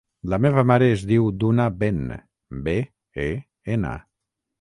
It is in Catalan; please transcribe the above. La meva mare es diu Duna Ben: be, e, ena.